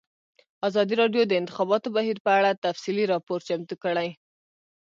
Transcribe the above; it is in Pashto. ازادي راډیو د د انتخاباتو بهیر په اړه تفصیلي راپور چمتو کړی.